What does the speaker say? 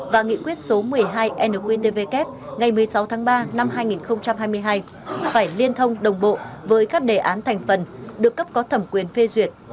và nghị quyết số một mươi hai nqtvk ngày một mươi sáu tháng ba năm hai nghìn hai mươi hai phải liên thông đồng bộ với các đề án thành phần được cấp có thẩm quyền phê duyệt